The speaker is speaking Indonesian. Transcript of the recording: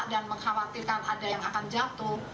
dan mengkhawatirkan ada yang akan jatuh